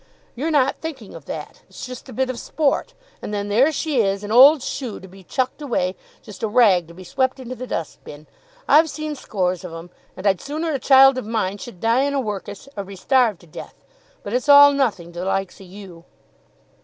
"You're not thinking of that. It's just a bit of sport, and then there she is, an old shoe to be chucked away, just a rag to be swept into the dust bin. I've seen scores of 'em, and I'd sooner a child of mine should die in a workus', or be starved to death. But it's all nothing to the likes o' you."